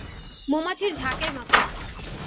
মৌমাছির ঝাঁকের মতো!